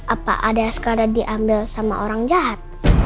apa adaiskara diambil sama orang jahat